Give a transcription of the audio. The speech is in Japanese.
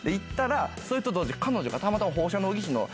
それと同時に彼女が。